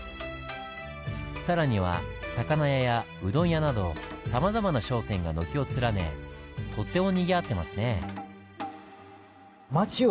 更には魚屋やうどん屋などさまざまな商店が軒を連ねとってもにぎわってますねぇ。